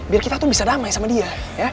biar kita tuh bisa damai sama dia